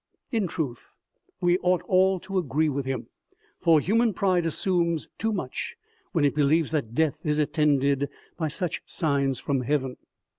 In truth we ought all to agree with him, for human pride assumes too much when it believes that death is attended by such signs from heaven."